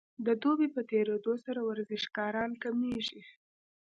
د دوبي په تیریدو سره ورزشکاران کمیږي